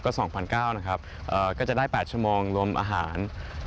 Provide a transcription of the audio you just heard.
๒๙๐๐นะครับก็จะได้๘ชั่วโมงรวมอาหาร